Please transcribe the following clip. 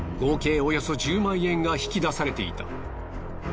およそ１０万円が引き出されていた。